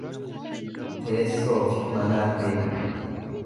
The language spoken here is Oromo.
Teessoofi manaan beekamu.